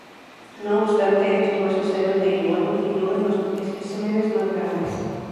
No obstante, estos huesos eran de igual longitud en los especímenes más grandes.